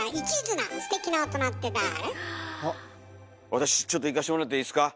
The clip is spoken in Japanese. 私ちょっといかしてもらっていいですか？